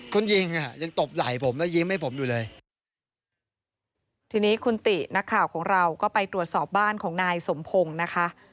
คนยิงอ่ะยังตบไหล่ผมแล้วยิ้มให้ผมอยู่เลยทีนี้คุณตินักข่าวของเราก็ไปตรวจสอบบ้านของนายสมพงศ์นะคะ